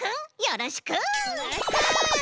よろしく！